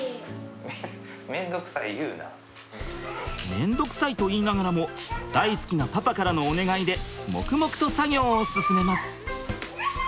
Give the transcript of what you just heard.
めんどくさいと言いながらも大好きなパパからのお願いで黙々と作業を進めます。